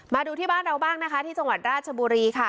มาดูที่บ้านเราบ้างนะคะที่จังหวัดราชบุรีค่ะ